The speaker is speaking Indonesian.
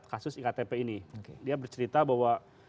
kasus iktp ini dia bercerita bahwa